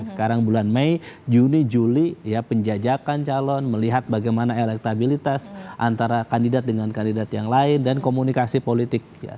sekarang bulan mei juni juli ya penjajakan calon melihat bagaimana elektabilitas antara kandidat dengan kandidat yang lain dan komunikasi politik